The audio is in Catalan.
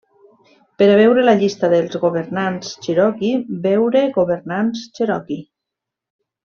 Per a veure la llista dels governants cherokee, veure Governants Cherokee.